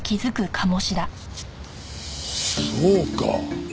そうか！